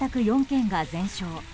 ４軒が全焼。